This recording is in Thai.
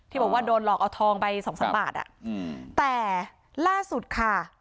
บอกว่าโดนหลอกเอาทองไปสองสามบาทอ่ะอืมแต่ล่าสุดค่ะ